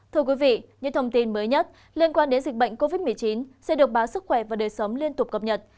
thưa quý vị những thông tin mới nhất liên quan đến dịch bệnh covid một mươi chín sẽ được báo sức khỏe và đời sống liên tục cập nhật